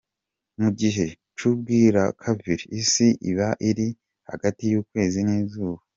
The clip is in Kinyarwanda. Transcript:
Mu gihe c'ubwirakabiri, isi iba iri hagati y'ukwezi n'izuba.